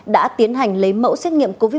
đã tiến hành lấy mẫu xét nghiệm covid một mươi chín